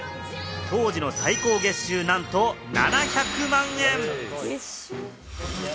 当時の最高月収、なんと７００万円！